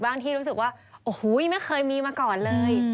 ที่รู้สึกว่าโอ้โหไม่เคยมีมาก่อนเลย